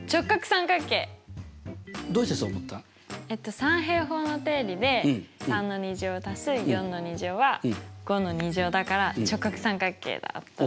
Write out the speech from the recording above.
三平方の定理で３の２乗足す４の２乗は５の２乗だから直角三角形だと。